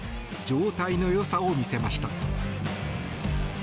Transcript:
状態の良さを見せました。